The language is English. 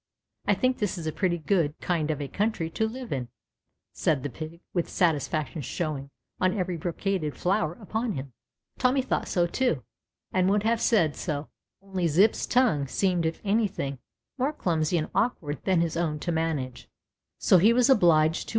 I think this is a pretty good kind of a country to live in," said the Pig, with satisfaction showing on every brocaded flower upon him. 288 THE CHILDREN'S WONDER BOOK. Tommy thought so too and would have said so, only Zip's tongue seemed if anything more clumsy and awk ward than his own to manage, so he was obliged to TOMMY.